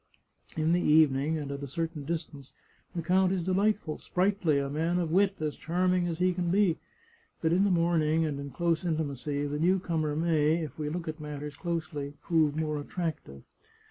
In the evening, and at a certain distance, the count is delightful, sprightly, a man of wit, as charming as he can be ; but in the morning, and in close intimacy, the newcomer may, if we look at matters closely, prove more attractive.